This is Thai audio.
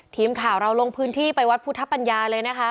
ทีมข่าวเราลงพื้นที่ไปวัดพุทธปัญญาเลยนะคะ